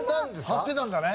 張ってたんだね。